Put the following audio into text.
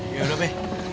iya udah be